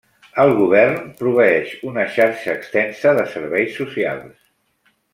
El govern proveeix una xarxa extensa de serveis socials.